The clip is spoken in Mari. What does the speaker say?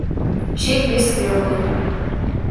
ЧЕК ВЕС ВЕЛНЕ